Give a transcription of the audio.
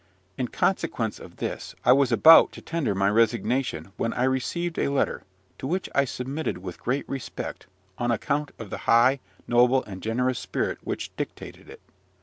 In consequence of this, I was about to tender my resignation, when I received a letter, to which I submitted with great respect, on account of the high, noble, and generous spirit which dictated it.